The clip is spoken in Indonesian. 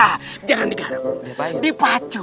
hah jangan digarung dipacu